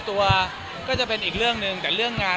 ไม่ว่าคุยกันตลอดเวลาอะไรไม่ใช่ทุกวัน